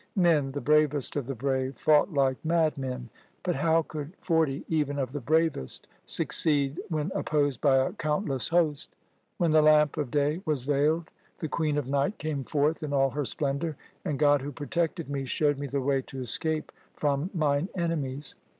Men, the bravest of the brave, fought like madmen. But how could forty even of the bravest succeed when opposed by a countless host ? When the lamp of day was veiled, the queen of night came forth in all her splendour, and God who protected me showed me the way to escape from mine enemies.